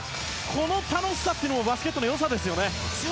この楽しさもバスケットの良さですよね。